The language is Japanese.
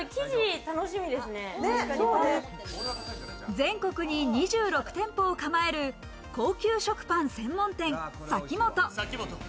全国に２６店舗を構える高級食パン専門店嵜本。